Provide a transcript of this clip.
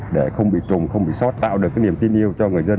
để không bị trùng không bị xót tạo được niềm tin yêu cho người dân